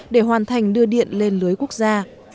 để hoàn thành đưa điện lên lưới quốc gia